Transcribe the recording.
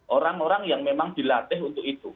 orang orang yang memang dilatih untuk itu